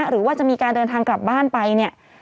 หรือว่าจะมีการเดินทางกลับบ้านไปเนี่ย